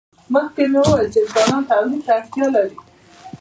مخکې مو وویل چې انسانان تولید ته اړتیا لري.